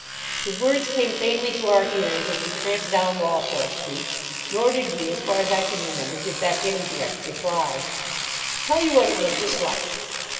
His words came faintly to our ears as we tramped down Walpole Street; nor did we, as far as I can remember, give back any direct reply. Tell you what it was just like.